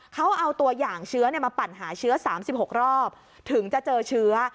เขาเอาตัวอย่างเชื้อมาปั่นหาเชื้อ๓๖รอบถึงจะเจอเชื้อ